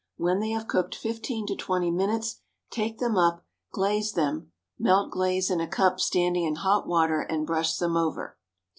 When they have cooked fifteen to twenty minutes, take them up, glaze them (melt glaze in a cup standing in hot water, and brush them over).